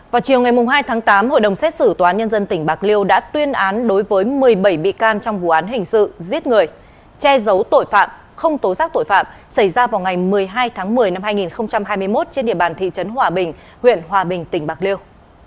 vào chiều ngày hai tháng tám hội đồng xét xử tòa án nhân dân tỉnh bạc liêu đã tuyên án đối với một mươi bảy bị can trong vụ án hình sự giết người che giấu tội phạm không tố giác tội phạm xảy ra vào ngày một mươi hai tháng một mươi năm hai nghìn hai mươi một trên địa bàn thị trấn hòa bình huyện hòa bình tỉnh bạc liêu